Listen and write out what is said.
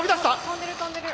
飛んでる飛んでる。